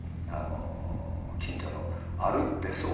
近所の歩ってそうですね